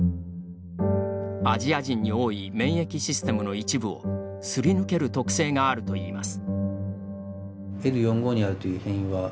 アジア人に多い免疫システムの一部をすり抜ける特性があるといいます。